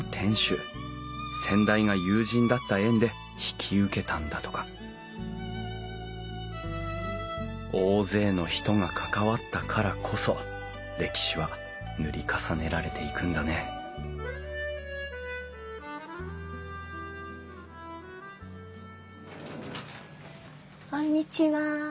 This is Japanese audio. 先代が友人だった縁で引き受けたんだとか大勢の人が関わったからこそ歴史は塗り重ねられていくんだねこんにちは。